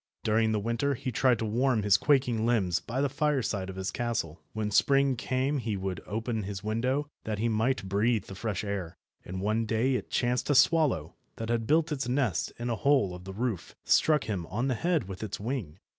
During the winter he tried to warm his quaking limbs by the fireside of his castle. When spring came he would open his window that he might breathe the fresh air, and one day it chanced a swallow, that had built its nest in a hole of the roof, struck him on the head with its wing.